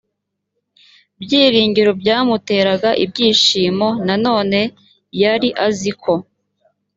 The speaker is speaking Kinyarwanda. byiringiro byamuteraga ibyishimo nanone yari azi ko